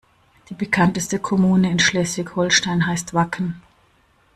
Die bekannteste Kommune in Schleswig-Holstein heißt Wacken.